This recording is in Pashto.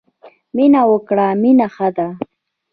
مینه وکړی مینه ښه ده.